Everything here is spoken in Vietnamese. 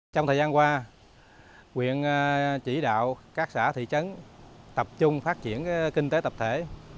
trong thời gian qua quyện chỉ đạo các xã thị trấn tập trung phát triển kinh tế tập thể